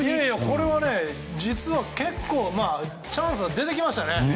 これは実は結構チャンスが出てきましたね。